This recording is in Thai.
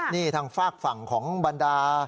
นี่ทางฝากฝั่งของบรรดา